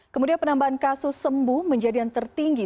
kemudian penambahan kasus sembuh menjadi yang tertinggi